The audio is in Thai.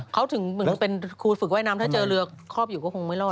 เขาถึงเป็นคู่ฝึกว่ายน้ำถ้าเจอเรือครอบอยู่ก็คงไม่รอด